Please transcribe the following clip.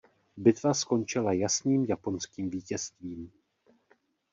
Bitva skončila jasným japonským vítězstvím.